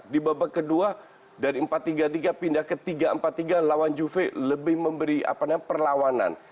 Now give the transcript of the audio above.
di babak kedua dari empat tiga tiga pindah ke tiga empat tiga lawan juve lebih memberi perlawanan